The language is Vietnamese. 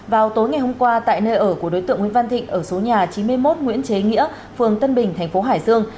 vào tối ngày hôm qua tại nơi ở của đối tượng nguyễn văn thịnh ở số nhà chín mươi một nguyễn chế nghĩa phường tân bình thành phố hải dương